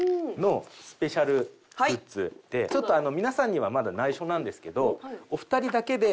ちょっと皆さんにはまだ内緒なんですけどお二人だけで。